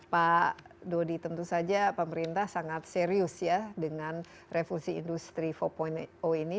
pak dodi tentu saja pemerintah sangat serius ya dengan revolusi industri empat ini